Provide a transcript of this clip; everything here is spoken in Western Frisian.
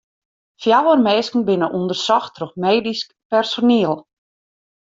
Fjouwer minsken binne ûndersocht troch medysk personiel.